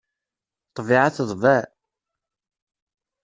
Ṭṭbiɛa teḍbeɛ.